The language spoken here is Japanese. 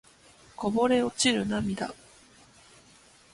こぼれ落ちる涙